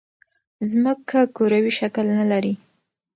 ځمکه کروی شکل نه لري.